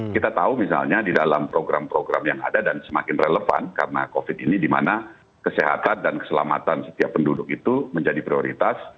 kita tahu misalnya di dalam program program yang ada dan semakin relevan karena covid ini dimana kesehatan dan keselamatan setiap penduduk itu menjadi prioritas